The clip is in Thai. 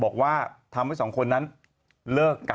บอกว่าทำให้สองคนนั้นเลิกกัน